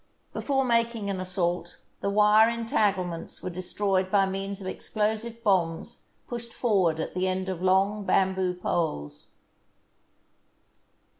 Before making an assault, the wire entanglements were destroyed by means of explo sive bombs pushed forward at the end of long bamboo poles.